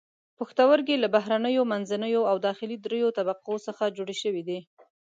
پښتورګي له بهرنیو، منځنیو او داخلي دریو طبقو څخه جوړ شوي دي.